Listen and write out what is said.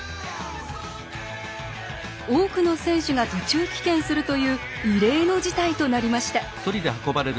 多くの選手が途中棄権するという異例の事態となりました。